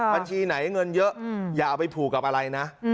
บัญชีไหนเงินเยอะอย่าเอาไปผูกกับอะไรนะ